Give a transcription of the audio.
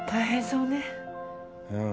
うん。